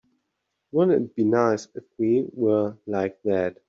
Wouldn't it be nice if we were like that?